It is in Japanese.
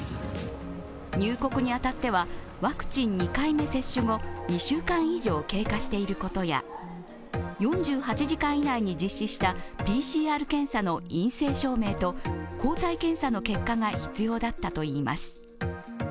入国に当たっては、ワクチン２回目接種後２週間以上経過していることや４８時間以内に実施したＰＣＲ検査の陰性証明と抗体検査の結果が必要だったといいます。